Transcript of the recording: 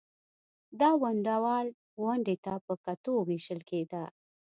دا د ونډه وال ونډې ته په کتو وېشل کېده